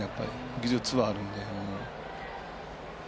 技術はあるんで。